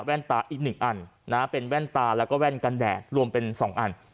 ตาอีก๑อันนะเป็นแว่นตาแล้วก็แว่นกันแดดรวมเป็น๒อัน